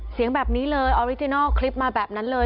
เสียงแบบนี้เลยออริจินัลคลิปมาแบบนั้นเลย